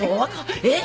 えっ？